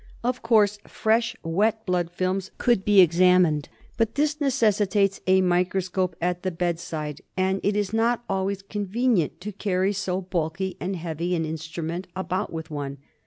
Of course fresh wet blood films could be examined ; but this neces DIAGNOSIS OF MALARIA. 163 sitates a microscope at the bedside, and it is not always convenient to carry so bulky and heavy an instrument about with one.